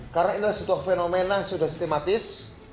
karena ini adalah suatu fenomena yang sudah sistematis